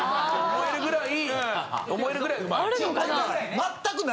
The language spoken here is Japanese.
思えるぐらいうまいと。